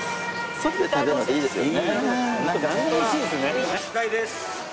外で食べるのっていいですよね。